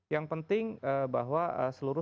yang penting bahwa seluruh